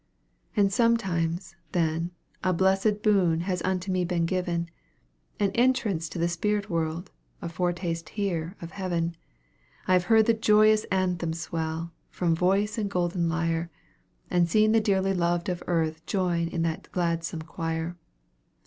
And sometimes, then, a blessed boon has unto me been given An entrance to the spirit world, a foretaste here of heaven; I have heard the joyous anthems swell, from voice and golden lyre, And seen the dearly loved of earth join in that gladsome choir.